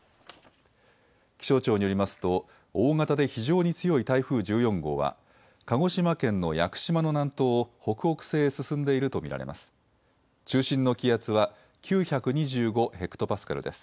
気象庁によりますと大型で非常に強い台風１４号は鹿児島県の屋久島の南東を北北西へ進んでいると見られます。